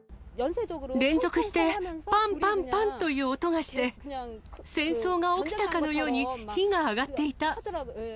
連続してぱんぱんぱんという音がして、戦争が起きたかのように火が上がっていた。